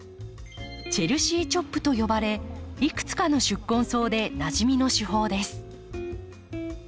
「チェルシー・チョップ」と呼ばれいくつかの宿根草でなじみの手法です。